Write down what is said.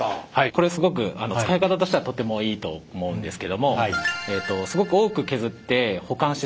これすごく使い方としてはとてもいいと思うんですけどもすごく多く削って保管してしまうとですね